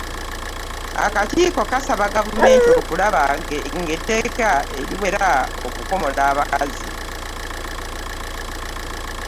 Akakiiko kasaba Gavumenti okulaba ng’Etteeka Eriwera Okukomola Abakazi.